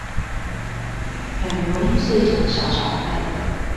很容易碎成小小塊的